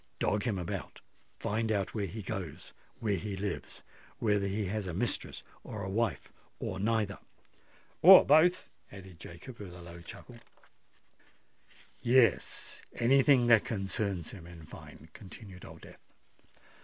Dog him about—find out where he goes—where he lives—whether he has a mistress or a wife, or neither——" "Or both," added Jacob, with a low chuckle. "Yes—any thing that concerns him, in fine," continued Old Death.